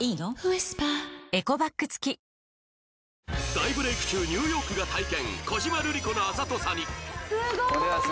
大ブレイク中ニューヨークが体験小島瑠璃子のあざとさに